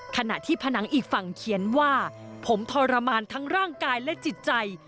ขณะที่ผนังอีกฝั่งเขียนว่าผมทรมานทั้งร่างกายและจิตใจ